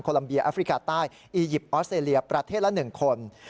ลัมเบียแอฟริกาใต้อียิปต์ออสเตรเลียประเทศละ๑คน